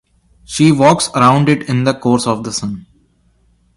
She walks around it in the course of the sun.